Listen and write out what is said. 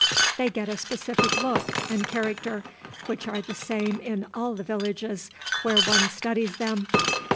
They get a specific look and character, which are the same in all the villages where one studies them.